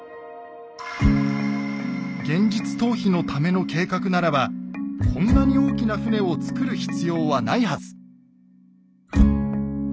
現実逃避のための計画ならばこんなに大きな船を造る必要はないはず。